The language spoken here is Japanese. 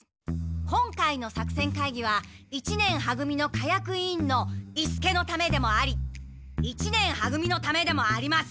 今回のさくせんかいぎは一年は組の火薬委員の伊助のためでもあり一年は組のためでもあります。